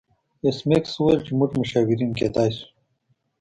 ایس میکس وویل چې موږ مشاورین کیدای شو